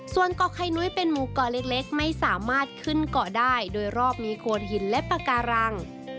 ส่วนเกาะไข่นุ้ยเป็นหมู่เกาะเล็กไม่สามารถขึ้นเกาะได้โดยรอบมีโขดหินและปากการัง